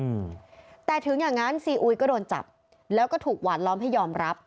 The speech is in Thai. อืมแต่ถึงอย่างงั้นซีอุยก็โดนจับแล้วก็ถูกหวานล้อมให้ยอมรับ